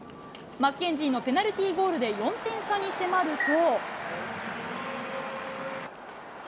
マッケンジーのペナルティーゴールで４点差に迫ると。